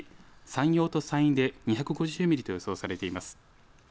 山陽と山陰で２５０ミリと予想されています。